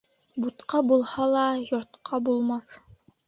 Бутҡа булһа ла, йортҡа булмаҫ.